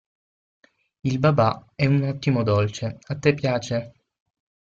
Il babà è un ottimo dolce, a te piace?